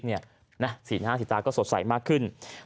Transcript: สีหน้าสีตาก็สดใสมากขึ้น